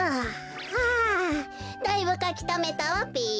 はあだいぶかきためたわべ。